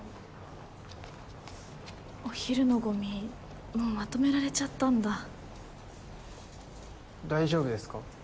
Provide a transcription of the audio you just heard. お昼のゴミもうまとめられちゃったんだ大丈夫ですか？